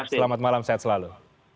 selamat malam sehat selalu